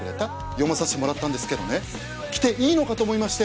読まさせてもらったんですけどね来ていいのかと思いまして。